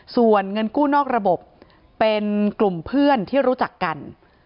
ส่วนเงินกู้นอกระบบเป็นกลุ่มเพื่อนที่รู้จักกัน